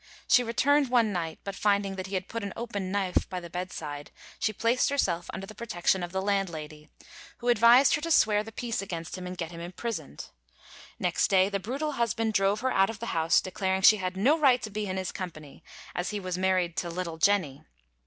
She returned one night, but finding that he had put an open knife by the bedside, she placed herself under the protection of the landlady, who advised her to swear the peace against him and get him imprisoned. Next day the brutal husband drove her out of the house, declaring she had no right to be in his company, as he was married to "Little Jenny."